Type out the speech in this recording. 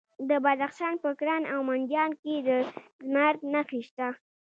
د بدخشان په کران او منجان کې د زمرد نښې شته.